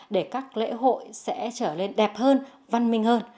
để các lễ hội sẽ trở lên đẹp hơn văn minh hơn